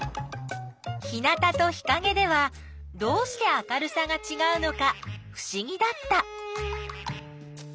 日なたと日かげではどうして明るさがちがうのかふしぎだった。